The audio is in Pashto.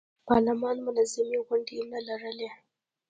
پارلمان منظمې غونډې نه لرلې.